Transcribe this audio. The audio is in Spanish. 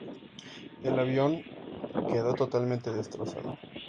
El avión quedó totalmente destrozado.